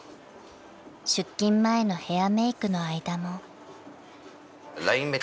［出勤前のヘアメークの間も］